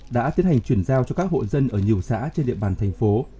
đã tiến hành chuyển giao cho các hộ dân ở nhiều xã trên địa phương